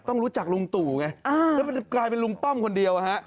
ต้องรู้จักลุงตู่ไงแล้วมันจะกลายเป็นลุงป้อมคนเดียว